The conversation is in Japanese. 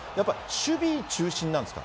守備中心なんですか？